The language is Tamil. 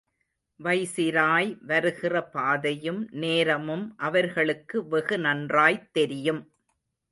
வைசிராய் வருகிற பாதையும் நேரமும் அவர்களுக்கு வெகு நன்றாய்த் தெரியும்.